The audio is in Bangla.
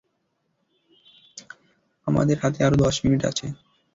আমাদের হাতে আরও দশ মিনিট আছে।